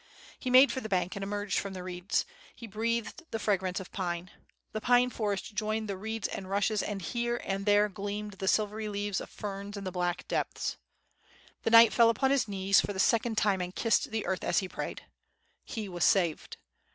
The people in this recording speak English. He made for the bank and emerged from the reeds. He breathed the fragrance of pine. The pine^forest joined the reeds and rushes, and here and there gleamed the silvery leaves of ferns in the black depths. The knight fell upon his knees for the second time and kissed the earth as he prayed. He was saved.